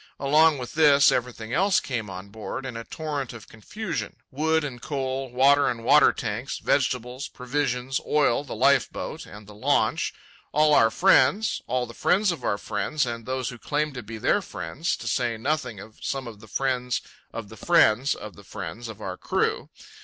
Along with this, everything else came on board in a torrent of confusion—wood and coal, water and water tanks, vegetables, provisions, oil, the life boat and the launch, all our friends, all the friends of our friends and those who claimed to be their friends, to say nothing of some of the friends of the friends of the friends of our crew.